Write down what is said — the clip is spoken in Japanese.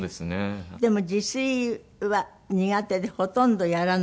でも自炊は苦手でほとんどやらない？